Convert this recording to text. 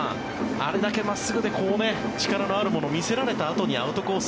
あれだけ真っすぐで力のあるものを見せられたあとにアウトコース